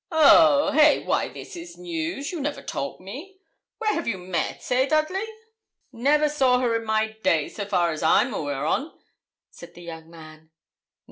'Oh! hey! why this is news. You never told me. Where have you met eh, Dudley?' 'Never saw her in my days, so far as I'm aweer on,' said the young man.